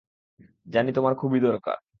জানি তোমার খুবই দরকার।